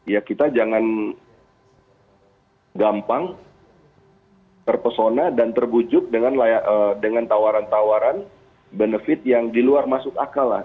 ya kita jangan gampang terpesona dan terbujuk dengan tawaran tawaran benefit yang di luar masuk akal lah